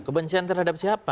kebencian terhadap siapa